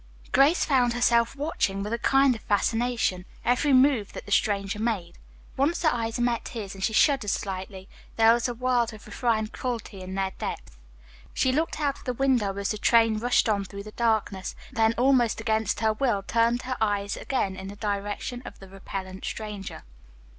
Grace found herself watching, with a kind of fascination, every move that the stranger made. Once her eyes met his and she shuddered slightly, there was a world of refined cruelty in their depths. She looked out of the window as the train rushed on through the darkness, then almost against her will turned her eyes again in the direction of the repellent stranger.